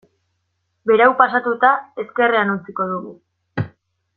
Berau pasatuta ezkerrean utziko dugu.